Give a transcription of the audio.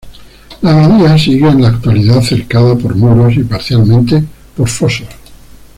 La abadía sigue en la actualidad cercada por muros y parcialmente por fosos.